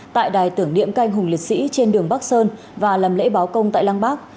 tại đài tưởng niệm các anh hùng liệt sĩ trên đường bắc sơn và làm lễ báo công tại lăng bắc